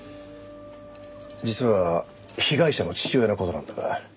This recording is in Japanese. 実は被害者の父親の事なんだが。